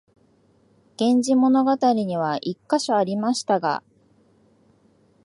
「源氏物語」には一カ所ありましたが、